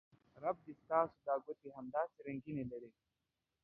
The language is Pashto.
رب دې ستاسو دا ګوتې همداسې رنګینې لرې